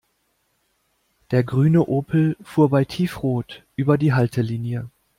Der grüne Opel fuhr bei Tiefrot über die Haltelinie.